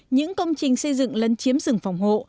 những công trình xây dựng lấn chiếm rừng phòng hộ